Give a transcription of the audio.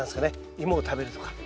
イモを食べるとか。